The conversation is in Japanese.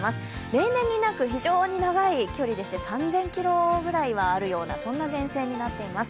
例年になく非常に長い距離でして３０００ｋｍぐらいはあるような前線になっています